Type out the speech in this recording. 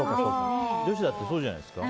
女子だってそうじゃないですか。